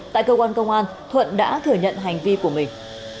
tại cơ quan công an thuận đã thừa nhận hành vi của mình